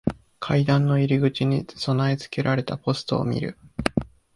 階段の入り口に備え付けられたポストを見る。